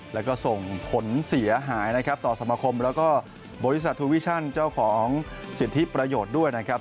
แล้วก็ส่งผลเสียหายนะครับต่อสมาคมแล้วก็บริษัททูวิชั่นเจ้าของสิทธิประโยชน์ด้วยนะครับ